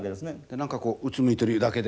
何かこううつむいてるだけで。